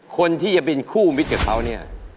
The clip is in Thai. คนที่จะเป็นคู่มิตรกับเขาเนี่ย